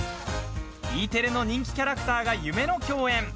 Ｅテレ人気キャラクターが夢の共演。